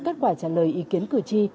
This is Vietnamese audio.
kết quả trả lời ý kiến cử tri